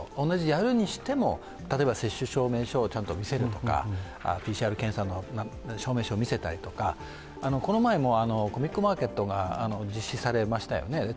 同じやるにしても、接種証明書をちゃんと見せるとか、ＰＣＲ検査の証明書を見せるとか、この前もコミックマーケットが実施されましたよね。